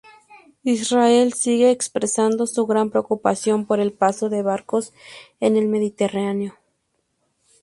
Israel sigue expresando su gran preocupación por el paso de barcos en el Mediterráneo.